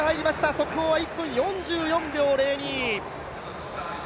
速報は１分４４秒０２。